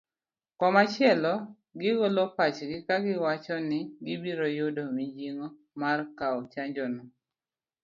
Komachielo gigolo pachgi kagiwacho ni gibiro yudo mijing'o mar kao chanjo no